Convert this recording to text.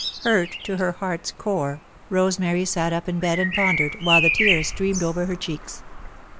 Hurt to her heart's core, Rosemary sat up in bed and pondered, while the tears streamed over her cheeks.